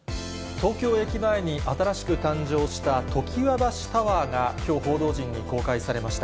東京駅前に新しく誕生した常盤橋タワーが、きょう報道陣に公開されました。